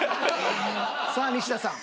さあ西田さん。